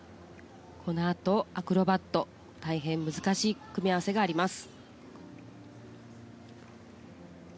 アクロバット、大変難しい組み合わせがあります。